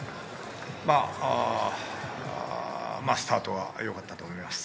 スタートはよかったと思います。